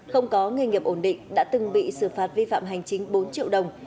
không có nghề nghiệp ổn định đã từng bị xử phạt vi phạm hành chính bốn triệu đồng